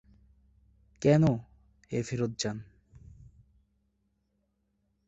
কেন-এ ফেরত যান।